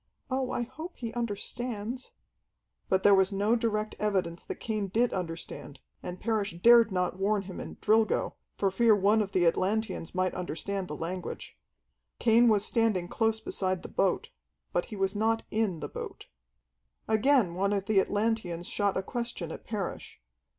"Oh, I hope he understands!" But there was no direct evidence that Cain did understand, and Parrish dared not warn him in "Drilgo," for fear one of the Atlanteans might understand the language. Cain was standing close beside the boat. But he was not in the boat. Again one of the Atlanteans shot a question at Parrish.